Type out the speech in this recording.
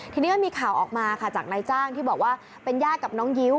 ทีนี้มันมีข่าวออกมาค่ะจากนายจ้างที่บอกว่าเป็นญาติกับน้องยิ้ว